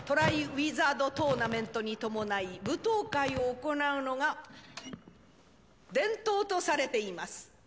ウィザード・トーナメントに伴い舞踏会を行うのが伝統とされています